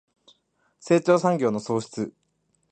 成長産業の創出